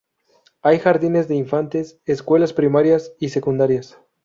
Hay jardines de infantes, escuelas primarias y secundarias.